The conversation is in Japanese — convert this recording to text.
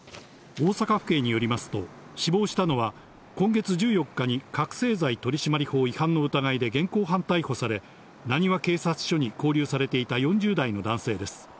大阪府警によりますと死亡したのは今月１４日に覚醒剤取締法違反の疑いで現行犯逮捕され、浪速警察署に勾留されていた４０代の男性です。